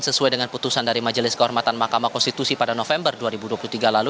sesuai dengan putusan dari majelis kehormatan mahkamah konstitusi pada november dua ribu dua puluh tiga lalu